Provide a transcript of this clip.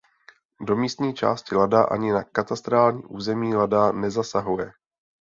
Do místní části Lada ani na katastrální území Lada nezasahuje.